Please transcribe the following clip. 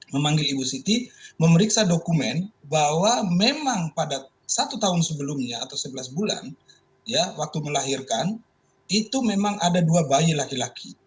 memanggil ibu siti memeriksa dokumen bahwa memang pada satu tahun sebelumnya atau sebelas bulan waktu melahirkan itu memang ada dua bayi laki laki